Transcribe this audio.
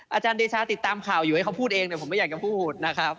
อาจารย์เดชาติดตามข่าวอยู่ให้เขาพูดเองแต่ผมไม่อยากจะพูดนะครับ